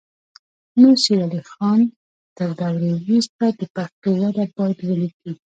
امیر شیر علی خان تر دورې وروسته د پښتو وده باید ولیکي.